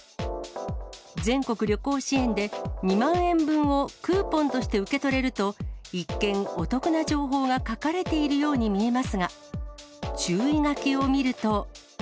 全国旅行支援で２万円分をクーポンとして受け取れると、一見、お得な情報が書かれているように見えますが、注意書きを見ると。